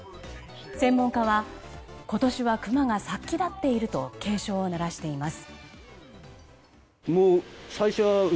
専門家は今年はクマが殺気立っていると警鐘を鳴らしています。